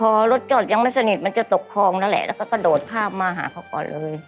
พอรถจอดยังไม่สนิทมันจะตกคลองนั่นแหละแล้วก็กระโดดข้ามมาหาเขาก่อนเลย